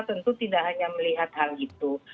tentu tidak hanya melihat hal itu